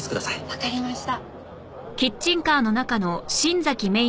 わかりました。